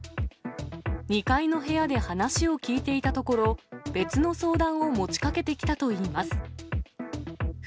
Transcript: ２階の部屋で話を聞いていたところ、別の相談を持ちかけてきたといいます。